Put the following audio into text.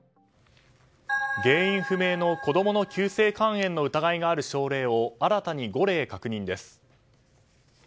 原因不明の子供の急性肺炎の疑いがある症例を新たに５例確認です。